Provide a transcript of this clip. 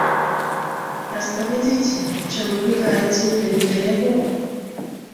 Распавядзіце, чаму вы граеце менавіта яго?